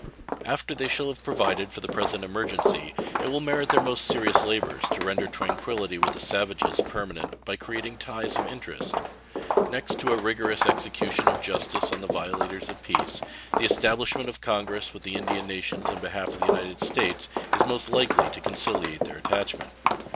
After they shall have provided for the present emergency, it will merit their most serious labors to render tranquillity with the savages permanent by creating ties of interest. Next to a rigorous execution of justice on the violators of peace, the establishment of commerce with the Indian nations in behalf of the United States is most likely to conciliate their attachment.